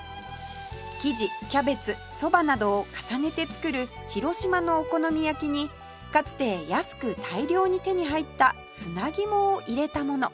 生地キャベツそばなどを重ねて作る広島のお好み焼きにかつて安く大量に手に入った砂肝を入れたもの